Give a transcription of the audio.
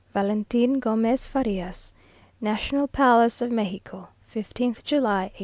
"VALENTIN GOMEZ FARIAS." "National Palace of Mexico, 15th July, 1840."